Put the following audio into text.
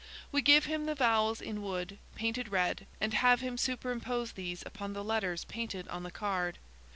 We give him the vowels in wood, painted red, and have him superimpose these upon the letters painted on the card.